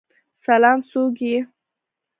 سلام، څوک یی؟